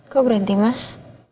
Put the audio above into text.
kok berhenti mas